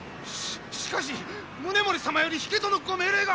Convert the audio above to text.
ししかし宗盛様より引けとのご命令が。